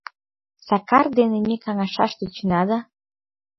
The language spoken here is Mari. — Сакар дене ме каҥашаш тӧчена да...